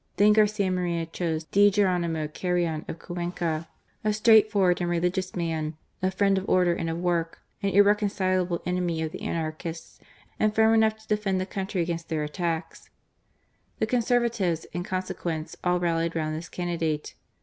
Then Garcia Moreiio chose D. Jeronimo Carrion of Cuenca, a straight forward and religious man, a friend of order and of work, an irreconcilable enemy of the anarchists, and firm enough to defend the country against tibeir attacks. The Conservatives, in consequence^ all rallied round this candidate.